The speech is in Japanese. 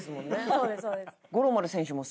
そうですそうです。